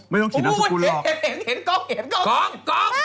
ไม่ต้องเขียนเอาสุกรุนหรอกโอ้โหเห็นกรอง